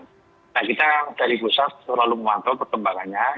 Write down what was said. nah kita dari pusat selalu memantau perkembangannya